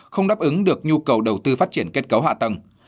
không đáp ứng được nhu cầu đầu tư phát triển kết cấu hạ tầng